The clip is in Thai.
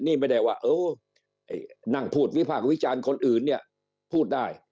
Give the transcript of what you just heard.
นี่ไม่ได้ว่าเออไอ้นั่งพูดวิพากษ์วิจารณ์คนอื่นเนี่ยพูดได้